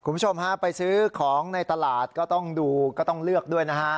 คุณผู้ชมฮะไปซื้อของในตลาดก็ต้องดูก็ต้องเลือกด้วยนะฮะ